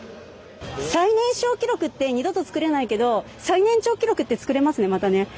最年少記録って二度とつくれないけれど最年長記録は作れますねまたね。